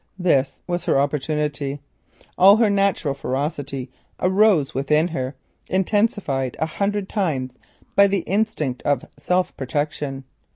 This was her opportunity. All her natural ferocity arose within her, intensified a hundred times by the instinct of self protection.